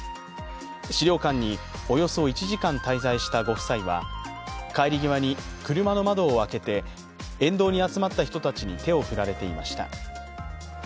史料館におよそ１時間滞在したご夫妻は帰り際に車の窓を開けて沿道に集まった人たちに手を振られていました。